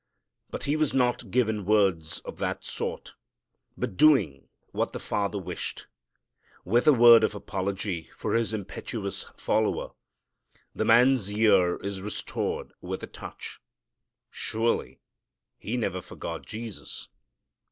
But He was not giving words of that sort, but doing what the Father wished. With a word of apology for His impetuous follower, the man's ear is restored with a touch. Surely he never forgot Jesus.